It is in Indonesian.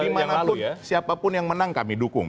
dimana pun siapapun yang menang kami dukung